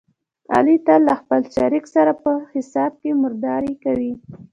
علي تل له خپل شریک سره په حساب کې مردارې کوي.